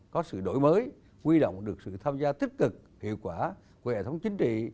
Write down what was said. có sự đổi mới quy động được sự tham gia tích cực hiệu quả của hệ thống chính trị